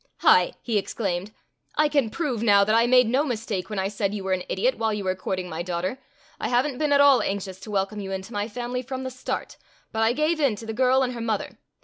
"Hi!" he exclaimed, "I can prove now that I made no mistake when I said you were an idiot while you were courting my daughter. I have n't been at all anxious to welcome you into my family from the start. But I gave in to the girl and her mother.